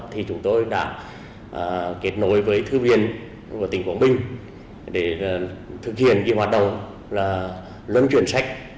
thì chúng tôi đã kết nối với thư viện của tỉnh quảng bình để thực hiện hoạt động luân chuyển sách